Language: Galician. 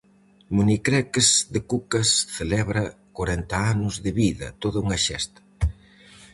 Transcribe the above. Monicreques de Kukas celebra corenta anos de vida, toda unha xesta.